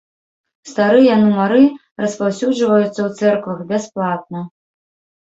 Старыя нумары распаўсюджваюцца ў цэрквах бясплатна.